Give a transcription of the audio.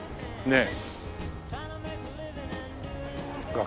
ねえ。